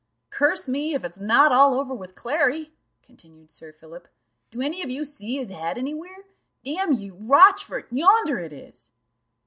"Curse me, if it's not all over with Clary," continued Sir Philip. "Do any of you see his head any where? Damn you, Rochfort, yonder it is."